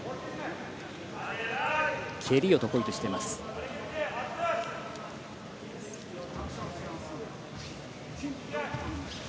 蹴りを得意としています。